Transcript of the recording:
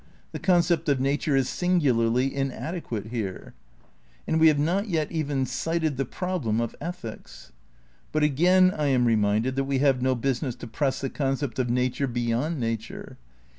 The concept of nature is singularly inadequate here. And we have not yet even sighted the problem of ethics. But again I am reminded that we have no business to press the concept of nature beyond nature.